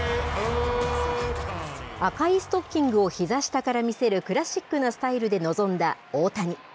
赤いストッキングをひざ下から見せるクラシックなスタイルで臨んだ大谷。